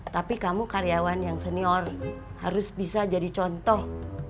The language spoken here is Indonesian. tapi kamu karyawan yang senior harus bisa jadi contoh